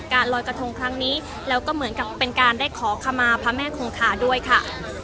ลอยกระทงครั้งนี้แล้วก็เหมือนกับเป็นการได้ขอขมาพระแม่คงคาด้วยค่ะ